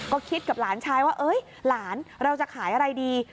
ก็คิดกับหลานชายว่าหลานเราจะขายอะไรดี